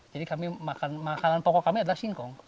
jadi makanan pokok kami adalah singkong